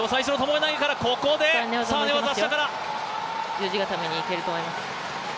十字固めにいけると思います。